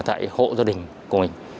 tại hộ gia đình của mình